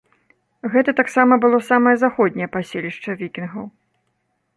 Гэта таксама было самае заходняе паселішча вікінгаў.